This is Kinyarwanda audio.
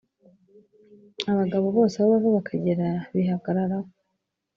Abagabo bose aho bava bakagera bihagararaho